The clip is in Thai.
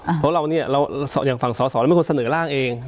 เพราะเราเนี่ยเราอย่างฝั่งสอสอเราเป็นคนเสนอร่างเอง